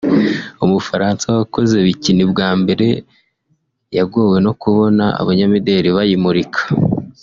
Umufaransa wakoze bikini bwa mbere yagowe no kubona abanyamideli bayimurika